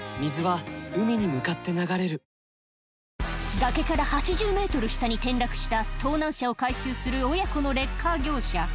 崖から８０メートル下に転落した盗難車を回収する、親子のレッカー業者。